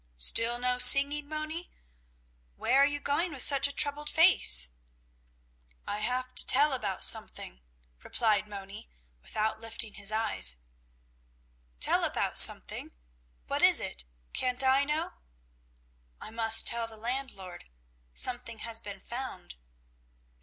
"Still no singing, Moni? Where are you going with such a troubled face?" "I have to tell about something," replied Moni, without lifting his eyes. "Tell about something? What is it? Can't I know?" "I must tell the landlord. Something has been found."